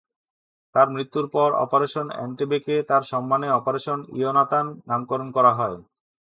তার মৃত্যুর পর অপারেশন এনটেবেকে তার সম্মানে "অপারেশন ইয়োনাতান" নামকরণ করা হয়।